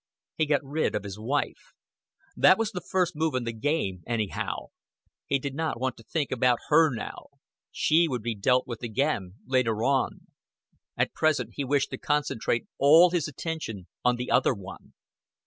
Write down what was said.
He got rid of his wife. That was the first move in the game anyhow. He did not want to think about her now; she would be dealt with again later on. At present he wished to concentrate all his attention on the other one.